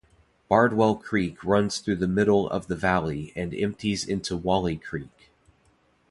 Bardwell Creek runs through the middle of the valley and empties into Wolli Creek.